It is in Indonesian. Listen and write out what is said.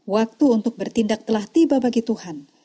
waktu untuk bertindak telah tiba bagi tuhan